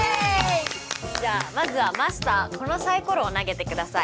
じゃあまずはマスターこのサイコロを投げてください。